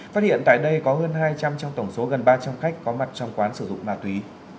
phát hiện tại đây có hơn hai trăm linh trong tổng số gần ba trăm linh khách có mặt trong quán sử dụng ma túy